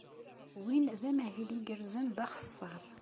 Win d amahil igerrzen d axeṣṣar.